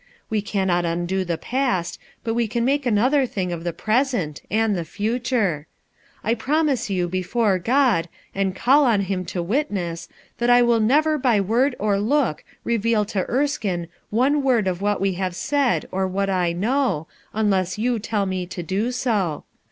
We cannot undo the past, but we can make another thing of the present — and the future* I promise you, before God, and call on Him to witness, that I will never by word or look reveal to Erskine one word of what wo have said or of what I know, unless you tell mc to do so.